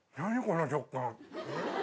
この食感。